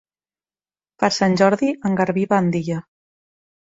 Per Sant Jordi en Garbí va a Andilla.